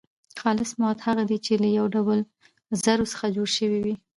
خالص مواد هغه دي چي له يو ډول ذرو څخه جوړ سوي وي.